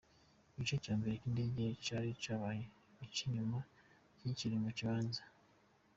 Igice c'imbere c'indege cari cubamye, ic'inyuma kikiri mu kibanza.